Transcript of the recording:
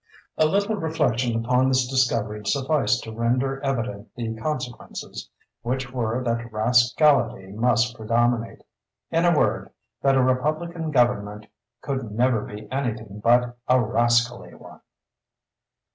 A little reflection upon this discovery sufficed to render evident the consequences, which were that rascality must predominate—in a word, that a republican government could never be any thing but a rascally one.